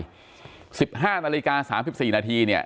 ๑๕นาฬิกา๓๔นาทีเนี่ย